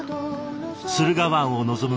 駿河湾を望む